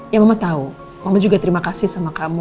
ya mama tahu mama juga terima kasih sama kamu